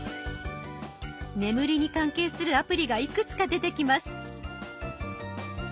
眠りに関係するアプリがいくつか出てきます。